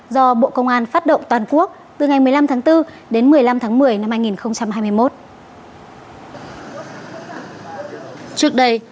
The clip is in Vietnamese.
do bộ công an phát động toàn quốc từ ngày một mươi năm tháng bốn đến một mươi năm tháng một mươi năm hai nghìn hai mươi một